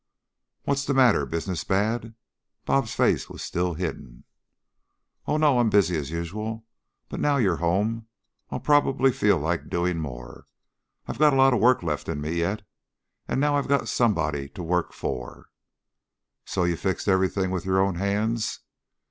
"What's the matter? Business bad?" "Bob's" face was still hidden. "Oh no! I'm busy as usual. But, now you're home, I'll probably feel like doing more. I got a lot of work left in me yet, now I got somebody to work for." "So you fixed everything with your own hands."